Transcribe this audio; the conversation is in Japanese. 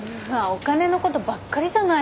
お金のことばっかりじゃないですか。